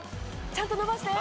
ちゃんと伸ばして。